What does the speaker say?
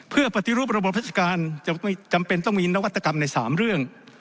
เพื่อปฏิรูประบบราชการจำเป็นต้องมีนวัตกรรมใน๓เรื่อง